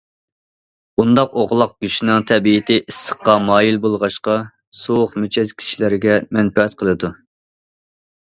بۇنداق ئوغلاق گۆشىنىڭ تەبىئىتى ئىسسىققا مايىل بولغاچقا، سوغۇق مىجەز كىشىلەرگە مەنپەئەت قىلىدۇ.